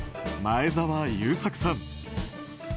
前澤友作さん。